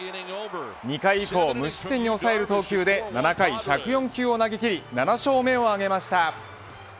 ２回以降無失点に抑える投球で７回１０４球を投げきり７勝目を挙げました。